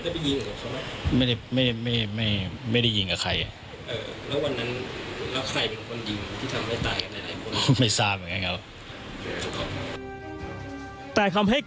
พังเกิดเคถ้าได้ไปหยิงกับเขาไหม